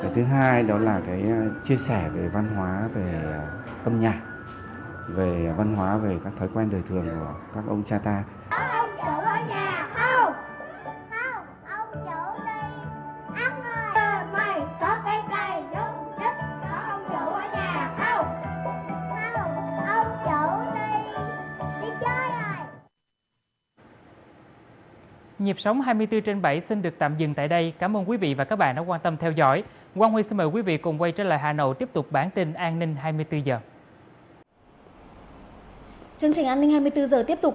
tại kỳ họp này quốc hội sẽ xem xét thông qua bảy dự án luật